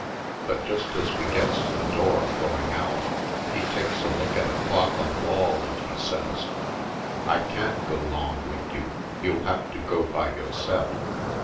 But just as we gets to the door, going out, he takes a look at a clock on the wall and he says: "I can't go 'long wid you — you'll have to go by yo'se'f."